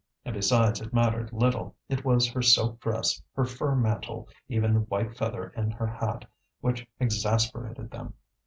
And besides it mattered little, it was her silk dress, her fur mantle, even the white feather in her hat, which exasperated them.